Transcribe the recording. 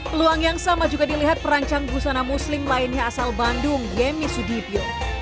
peluang yang sama juga dilihat perancang busana muslim lainnya asal bandung yemi sudibyo